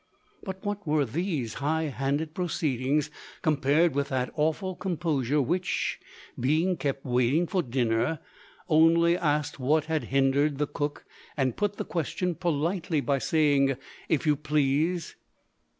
But what were these highhanded proceedings, compared with the awful composure which, being kept waiting for dinner, only asked what had hindered the cook, and put the question politely, by saying, "if you please"?